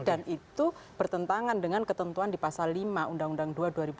dan itu bertentangan dengan ketentuan di pasal lima undang undang dua dua ribu dua belas